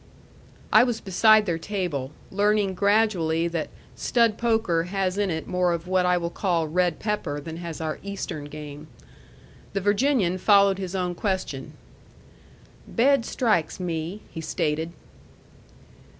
I was beside their table, learning gradually that stud poker has in it more of what I will call red pepper than has our Eastern game. The Virginian followed his own question: "Bed strikes me," he stated.